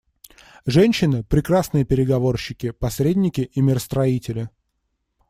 Женщины — прекрасные переговорщики, посредники и миростроители.